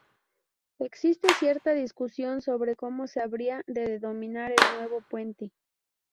Existe cierta discusión sobre como se habría de denominar el nuevo puente.